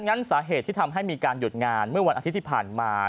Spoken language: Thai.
งั้นสาเหตุที่ทำให้มีการหยุดงานเมื่อวันอาทิตย์ที่ผ่านมา